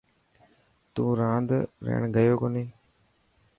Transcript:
تون راند رهڻ گيو ڪوني؟